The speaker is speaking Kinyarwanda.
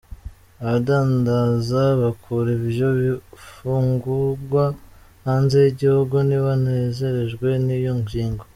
Abadandaza bakura ivyo bifungugwa hanze y’igihugu ntibanezerejwe n’iyo ngingo.